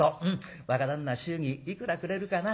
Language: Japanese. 若旦那祝儀いくらくれるかな。